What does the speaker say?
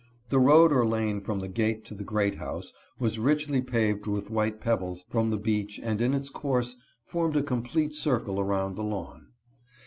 The road or lane from the gate to the great house was richly paved with white pebbles from the beach and in its course formed a complete circle around the lawn.